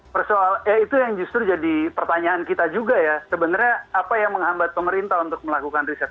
persoal eh itu yang justru jadi pertanyaan kita juga ya sebenarnya apa yang menghambat pemerintah untuk melakukan riset